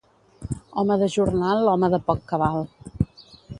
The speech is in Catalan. Home de jornal, home de poc cabal.